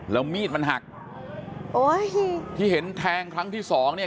แล้วมีดมันหักโอ้ยที่เห็นแทงครั้งที่สองเนี่ย